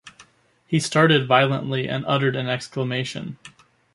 He started violently and uttered an exclamation.